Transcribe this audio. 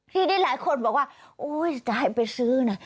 ทีนี้หลายคนบอกว่าโอ้ยจะให้ไปซื้อนะ